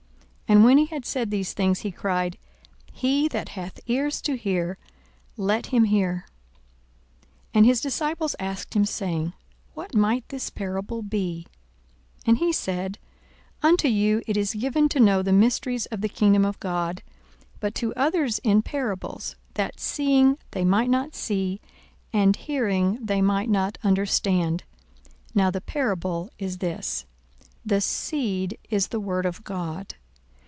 And when he had said these things, he cried, He that hath ears to hear, let him hear. 42:008:009 And his disciples asked him, saying, What might this parable be? 42:008:010 And he said, Unto you it is given to know the mysteries of the kingdom of God: but to others in parables; that seeing they might not see, and hearing they might not understand. 42:008:011 Now the parable is this: The seed is the word of God.